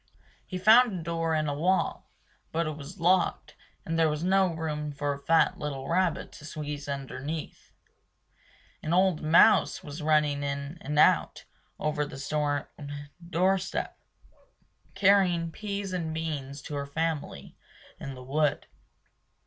He found a door in a wall; but it was locked and there was no room for a fat little rabbit to squeeze underneath. An old mouse was running in and out over the stone doorstep, carrying peas and beans to her family in the wood.